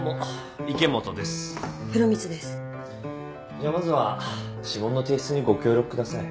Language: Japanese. じゃあまずは指紋の提出にご協力ください。